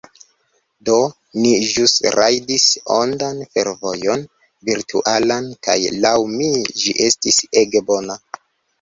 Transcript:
Do, ni ĵus rajdis ondan fervojon virtualan kaj, laŭ mi, ĝi estis ege bona